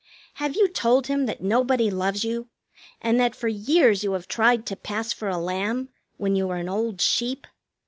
Have you told him that nobody loves you, and that for years you have tried to pass for a lamb, when you are an old sheep?